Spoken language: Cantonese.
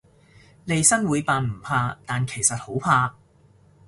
利申會扮唔怕，但其實好怕